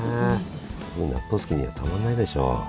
納豆好きにはたまんないでしょう。